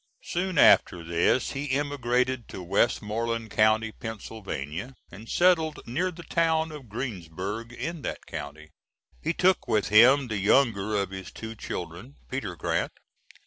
Soon after this he emigrated to Westmoreland County, Pennsylvania, and settled near the town of Greensburg in that county. He took with him the younger of his two children, Peter Grant.